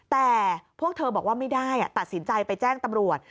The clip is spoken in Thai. แต่พวกเธอบอกว่าไม่ได้ตัดสินใจไปแจ้งตำรวจ